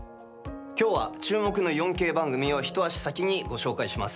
きょうは、注目の４Ｋ番組を一足先にご紹介します。